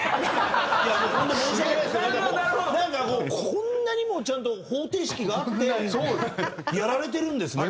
こんなにもちゃんと方程式があってやられてるんですね